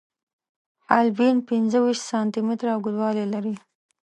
حالبین پنځه ویشت سانتي متره اوږدوالی لري.